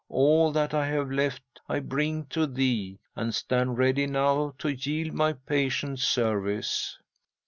All that I have left I bring to thee, and stand ready now to yield my patient service."